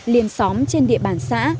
liên xóm trên địa bàn xã